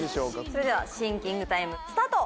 それではシンキングタイムスタート！